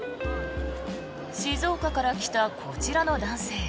静岡から来たこちらの男性。